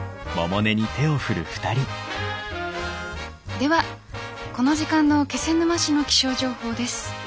ではこの時間の気仙沼市の気象情報です。